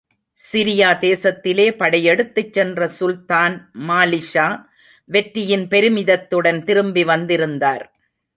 Syria தேசத்திலே படையெடுத்துச்சென்ற சுல்தான் மாலிக்ஷா, வெற்றியின் பெருமிதத்துடன் திரும்பி வந்திருந்தார்.